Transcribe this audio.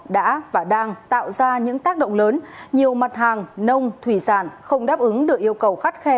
đã và đang tạo ra những tác động lớn nhiều mặt hàng nông thủy sản không đáp ứng được yêu cầu khắt khe